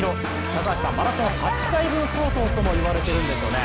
高橋さん、マラソン８回分相当とも言われているんですよね。